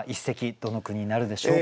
どの句になるでしょうか。